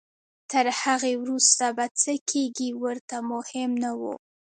تر هغې وروسته به څه کېږي ورته مهم نه وو.